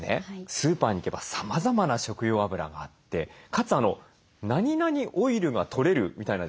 スーパーに行けばさまざまな食用あぶらがあってかつなになにオイルがとれるみたいなですね